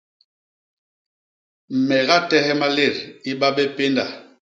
Me gatehe malét i ba bé pénda.